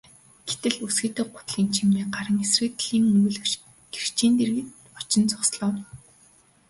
Гэтэл өсгийтэй гутлын чимээ гаран эсрэг талын өмгөөлөгч гэрчийн дэргэд очин зогслоо.